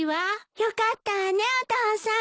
よかったわねお父さん。